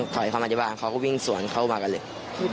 เข้ามาที่บ้านเขาก็วิ่งสวนเข้ามากันเลย